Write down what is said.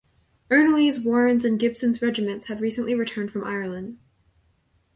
Erneley's, Warren's and Gibson's regiments had recently returned from Ireland.